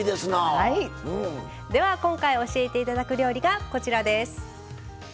では今回教えて頂く料理がこちらです。